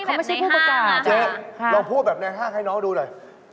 เขาไม่ใช่ผู้ประกาศนะฮะครับเฮนอะไร